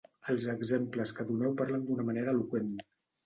Els exemples que doneu parlen d'una manera eloqüent.